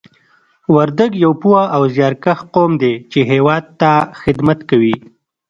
وردګ یو پوه او زیارکښ قوم دی چې هېواد ته خدمت کوي